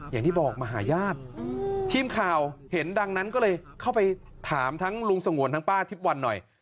อย่างที่บอกมาหาญาติทีมข่าวเห็นดังนั้นก็เลยเข้าไปถามทั้งลุงสงวนทั้งป้าทิพย์วันหน่อย